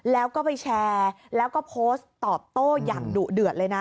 แล้วก็ไปแชร์แล้วก็โพสต์ตอบโต้อย่างดุเดือดเลยนะ